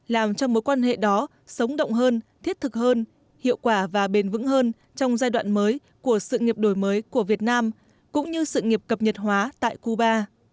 làm cho mối quan hệ đó sống động hơn thiết thực hơn hiệu quả và bền vững hơn trong giai đoạn mới của sự nghiệp đổi mới của việt nam cũng như sự nghiệp cập nhật hóa tại cuba